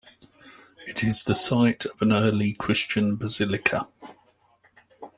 It is the site of an early Christian basilica.